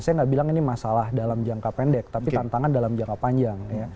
saya nggak bilang ini masalah dalam jangka pendek tapi tantangan dalam jangka panjang